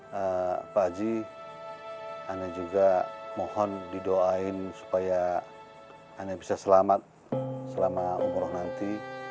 pak aji pak aji anda juga mohon didoain supaya anda bisa selamat selama umur nanti